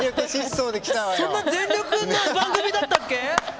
そんな全力な番組だったっけ？